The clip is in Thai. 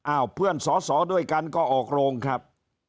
เพื่อนสอสอด้วยกันก็ออกโรงครับ